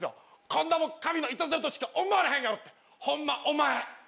こんなもん。としか思われへんやろってホンマお前。